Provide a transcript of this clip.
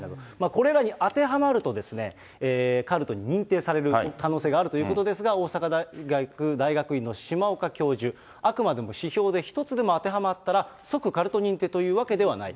これらが当てはまると、カルトに認定される可能性があるということですが、大阪大学大学院の島岡教授、あくまでも指標で、一つでも当てはまったら、即カルト認定ということではない。